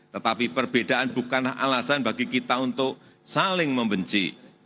tetapi perbedaan bukanlah alasan bagi kita untuk saling membenci